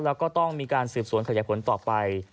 แล้วก็ต้องมีการสืบสวนขยายผลต่อไป